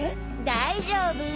大丈夫！